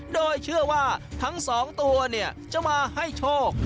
โดยเชื่อว่าทั้งสองตัวเนี่ยจะมาให้โชค